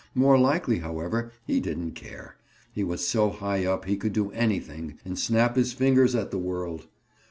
More likely, however, he didn't care; he was so high up he could do anything and snap his fingers at the world.